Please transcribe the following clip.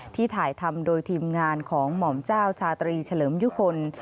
ถ่ายทำโดยทีมงานของหม่อมเจ้าชาตรีเฉลิมยุคล